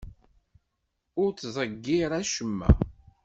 Ur ttḍeyyir acemma.